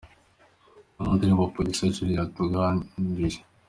Imwe mu ndirimbo Producer Julien yatunganyije.